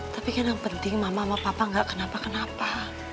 tapi kan yang penting mama sama papa gak kenapa kenapa